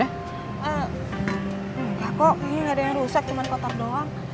enggak kok kayaknya nggak ada yang rusak cuma kotor doang